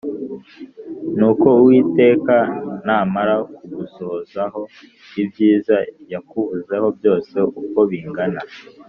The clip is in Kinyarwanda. Nuko Uwiteka namara kugusohozaho ibyiza yakuvuzeho byose uko bingana